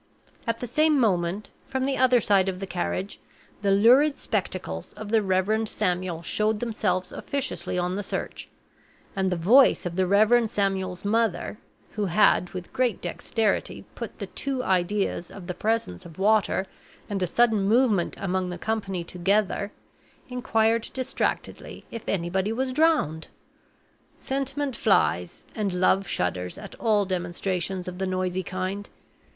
At the same moment, from the other side of the carriage, the lurid spectacles of the Reverend Samuel showed themselves officiously on the search; and the voice of the Reverend Samuel's mother (who had, with great dexterity, put the two ideas of the presence of water and a sudden movement among the company together) inquired distractedly if anybody was drowned? Sentiment flies and Love shudders at all demonstrations of the noisy kind.